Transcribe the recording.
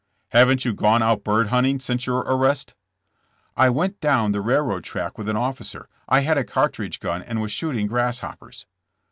*' Haven't you gone out bird hunting since your arrest?" *'I went down the railroad track with an officer. I had a little cartridge gun and was shooting grass hoppers."